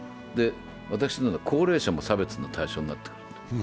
私のような高齢者も差別の対象になってくると。